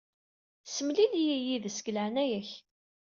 Semlil-iyi yid-s deg leɛnaya-k.